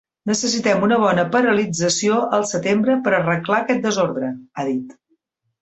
“Necessitem una bona ‘paralització’ al setembre per arreglar aquest desordre!”, ha dit.